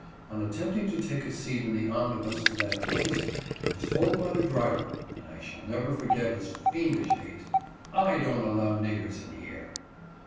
On attempting to take a seat in the omnibus to that place, I was told by the driver (and I never shall forget his fiendish hate), " I don't allow niggers in here."